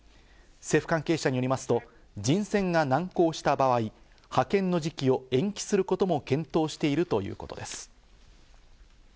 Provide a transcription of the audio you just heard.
政府関係者によりますと人選が難航した場合、派遣の時期を延期することも検討しているということです。